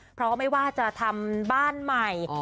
เพราะไม่ว่าจะทำบ้านใหม่